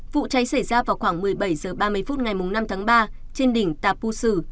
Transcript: vụ cháy xảy ra vào khoảng một mươi bảy h ba mươi phút ngày năm tháng ba trên đỉnh tà pu sử